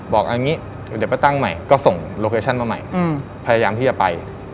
บอกเอาอย่างนี้เดี๋ยวไปตั้งใหม่ก็ส่งโลเคชั่นมาใหม่พยายามที่จะไป